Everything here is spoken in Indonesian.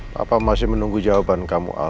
papa masih menunggu jawaban kamu al